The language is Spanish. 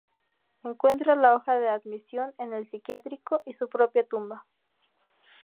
Encuentra la hoja de admisión en el psiquiátrico y su propia tumba.